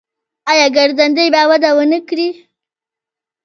آیا ګرځندوی به وده ونه کړي؟